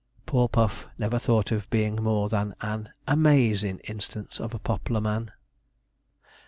Poor Puff never thought of being more than an am_aa_zin' instance of a pop'lar man!